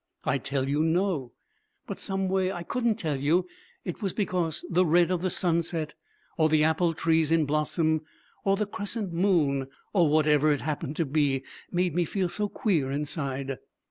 I'd tell you no. But some way I couldn't tell you it was because the red of the sunset or the apple trees in blossom or the crescent moon, or whatever it happened to be, made me feel so queer inside.'